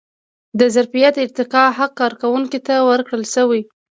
د ظرفیت ارتقا حق کارکوونکي ته ورکړل شوی.